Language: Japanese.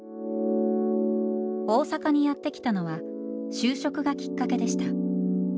大阪にやって来たのは就職がきっかけでした。